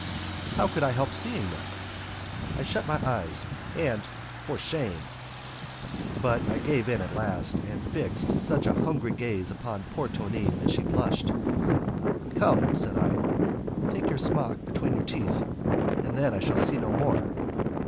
How could I help seeing them? I shut my eyes and, said "For shame!" but I gave in at last, and fixed such a hungry gaze upon poor Tonine that she blushed. "Come," said I, "take your smock between your teeth and then I shall see no more."